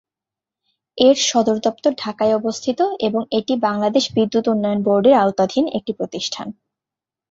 এর সদরদপ্তর ঢাকায় অবস্থিত এবং এটি বাংলাদেশ বিদ্যুৎ উন্নয়ন বোর্ডের আওতাধীন একটি প্রতিষ্ঠান।